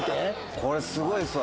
これすごいすわ。